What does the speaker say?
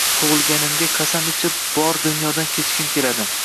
tug’ilganimga qasam ichib, bor dunyodan kechgim keladi…